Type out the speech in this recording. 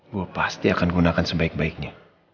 gue pasti akan gunakan sebaik baiknya